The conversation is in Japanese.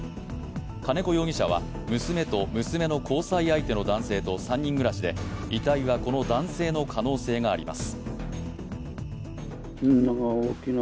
金子容疑者は娘と娘の交際相手の男性と３人暮らしで遺体はこの男性の可能性があります。